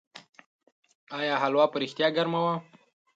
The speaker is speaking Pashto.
آیا هلوا په رښتیا ګرمه وه؟